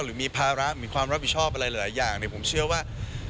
หรือมีภาระมีความรับผิดชอบอะไรหลายอย่างผมเชื่อว่า